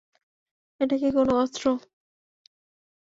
এটা কি কোন অস্ত্র?